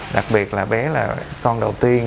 đặc biệt là bé là con đầu tiên